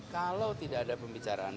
kalau tidak ada pembicaraan